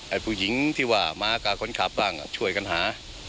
ไอ้ผู้หญิงที่ว่าม้ากากค้นขับตั้งช่วยกันหา